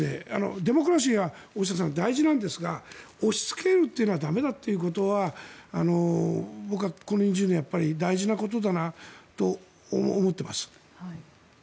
デモクラシーは大事なんですが押しつけるというのは駄目だということは僕はこの２０年大事なことだなと思っています。